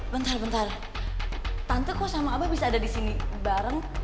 bentar bentar tante kok sama abah bisa ada di sini bareng